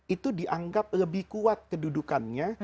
itu dianggap lebih kuat kedudukannya